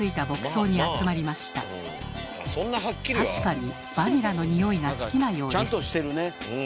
確かにバニラのにおいが好きなようです。